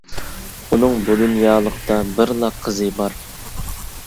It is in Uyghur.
ئۇنىڭ بۇ دۇنيالىقتا بىرلا قىزى بار.